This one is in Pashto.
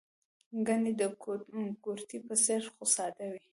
ګنډۍ د کورتۍ په څېر خو ساده وي.